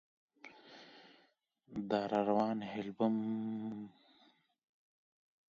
The album would see release later that year in July.